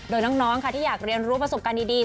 โดยน้องค่ะที่อยากเรียนรู้ประสบการณ์ดี